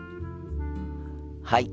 はい。